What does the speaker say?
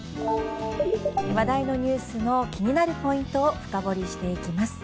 話題のニュースの気になるポイントを深掘りしていきます。